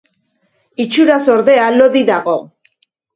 Itxuraz, ordea, lodi dago.